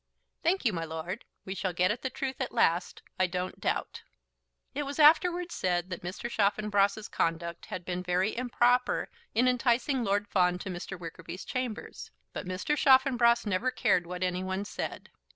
Thank you, my lord; we shall get at the truth at last, I don't doubt." It was afterwards said that Mr. Chaffanbrass's conduct had been very improper in enticing Lord Fawn to Mr. Wickerby's chambers; but Mr. Chaffanbrass never cared what any one said.